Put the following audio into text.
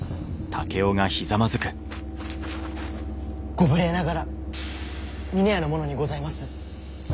ご無礼ながら峰屋の者にございます。